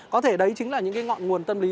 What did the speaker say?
có thể đấy chính là những cái ngọn nguồn tâm lý